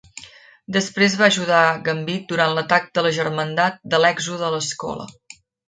Després va ajudar Gambit durant l'atac de la Germandat de l'Èxode a l'escola.